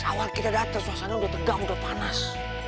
awal kita datang suasana udah tegang udah panas